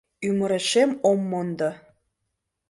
Ӱмырешем ом мондо.